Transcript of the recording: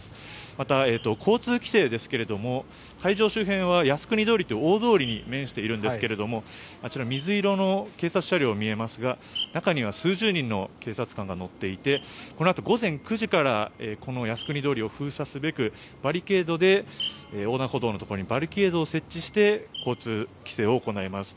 また、交通規制ですが会場周辺は靖国通りって大通りに面しているんですがあちら水色の警察車両が見えますが中には１０数人の警察官が乗っていてこのあと午前９時からこの靖国通りを封鎖すべく横断歩道のところにバリケードを設置して交通規制を行います。